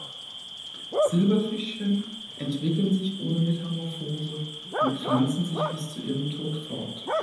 Silberfischchen entwickeln sich ohne Metamorphose und pflanzen sich bis zu ihrem Tod fort.